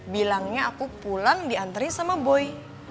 bilangnya aku pulang dianteri sama boy